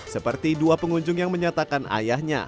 seperti dua pengunjung yang menyatakan ayahnya